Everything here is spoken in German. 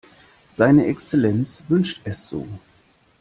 Seine Exzellenz wünscht es so.